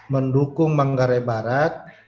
mendukung manggarai barat